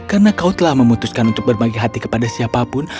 karena kau telah memutuskan untuk berbagi hati kepada siapapun